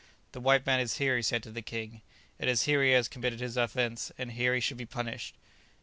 "The white man is here," he said to the king; "it is here he has committed his offence, and here he should be punished."